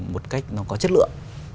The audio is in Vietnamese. một cách nó có chất lượng